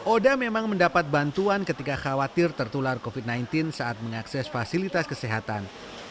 oda memang mendapat bantuan ketika khawatir tertular covid sembilan belas saat mengakses fasilitas kesehatan